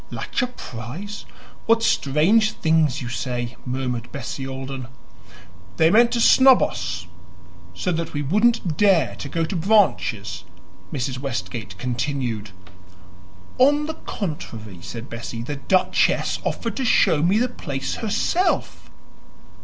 "LACHER PRISE? What strange things you say!" murmured Bessie Alden. "They meant to snub us, so that we shouldn't dare to go to Branches," Mrs. Westgate continued. "On the contrary," said Bessie, "the duchess offered to show me the place herself."